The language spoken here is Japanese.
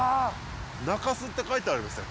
中洲って書いてありますね